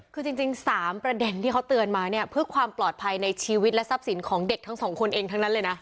คือจริง๓ประเด็นที่เขาเตือนมาเนี่ยเพื่อความปลอดภัยในชีวิตและทรัพย์สินของเด็กทั้งสองคนเองทั้งนั้นเลยนะ